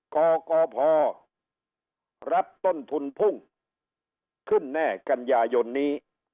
กกพรับต้นทุนพุ่งขึ้นแน่กันยายนนี้